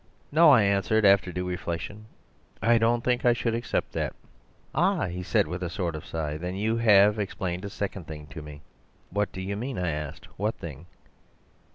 "'No,' I answered after due reflection, 'I don't think I should accept that.' "'Ah,' he said with a sort of a sigh, 'then you have explained a second thing to me.' "'What do you mean?' I asked; 'what thing?